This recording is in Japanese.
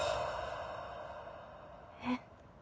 えっ？